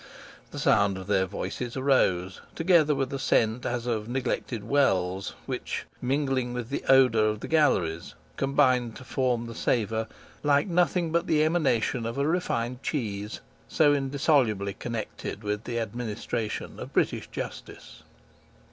The sound of their voices arose, together with a scent as of neglected wells, which, mingling with the odour of the galleries, combined to form the savour, like nothing but the emanation of a refined cheese, so indissolubly connected with the administration of British Justice.